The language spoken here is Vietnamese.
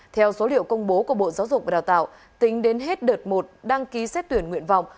theo số liệu công bố của bộ giáo dục và đào tạo tính đến hết đợt một đăng ký xét tuyển nguyện vọng